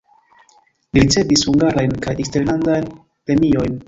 Li ricevis hungarajn kaj eksterlandan premiojn.